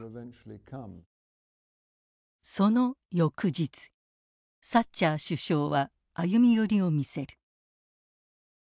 その翌日サッチャー首相は歩み寄りを見せる。